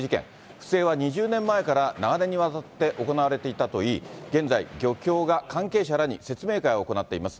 不正は２０年前から長年にわたって行われていたといい、現在、漁協が関係者らに説明会を行っています。